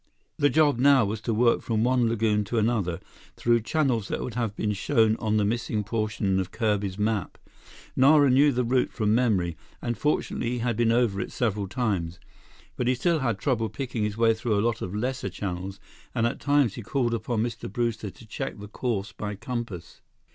The job now was to work from one lagoon to another, through channels that would have been shown on the missing portion of Kirby's map. Nara knew the route from memory, and fortunately he had been over it several times. But he still had trouble picking his way through a lot of lesser channels, and at times he called upon Mr. Brewster to check the course by compass.